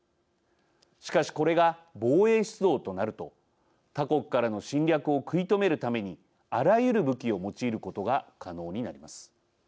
しかし、これが防衛出動となると他国からの侵略を食い止めるためにあらゆる武器を用いることが可能になります。